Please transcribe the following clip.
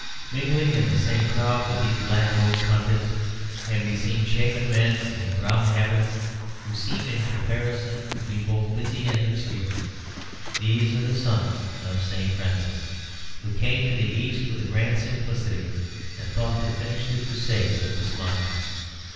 Mingling in the same crowd with these black robed pontiffs can be seen shaven men in brown habits who seem in comparison to be both busy and obscure. These are the sons of St. Francis, who came to the East with a grand simplicity and thought to finish the Crusades with a smile.